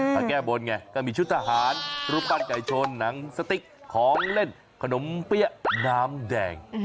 มาแก้บนไงก็มีชุดทหารรูปปั้นไก่ชนหนังสติ๊กของเล่นขนมเปี้ยน้ำแดง